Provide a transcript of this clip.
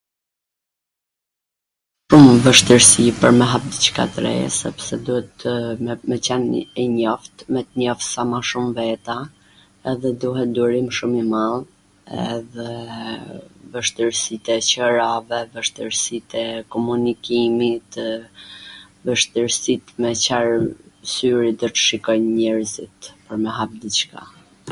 vwshtirsi pwr me hap diCka t re, sepse duetw me qwn i njoft, me t njoft sa ma shum veta edhe duet durim shum i madh edhe vwshtirsit e qerave, vwshtirsit e komunikimit, tw ... vwshtirsit me Car syri do t shikojn njerzit pwr me hap diCka